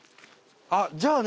あっじゃあね